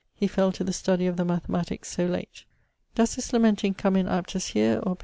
] he fell to the study of the mathematiques so late. [CXXVI.] Does this lamenting come in aptest here, or pag.